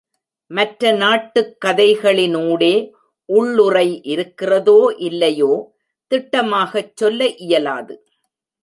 மற்ற நாட்டுக் கதைகளினூடே உள்ளுறை இருக்கிறதோ இல்லையோ, திட்டமாகச் சொல்ல இயலாது.